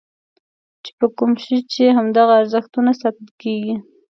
چې په کوم شي چې همدغه ارزښتونه ساتل کېږي.